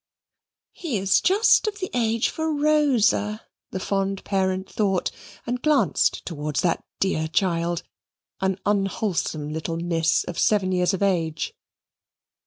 "He is just of the age for Rosa," the fond parent thought, and glanced towards that dear child, an unwholesome little miss of seven years of age.